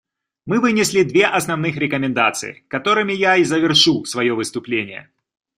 Мы вынесли две основных рекомендации, которыми я и завершу свое выступление.